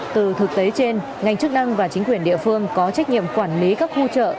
từ thực tế trên ngành chức năng và chính quyền địa phương có trách nhiệm quản lý các khu chợ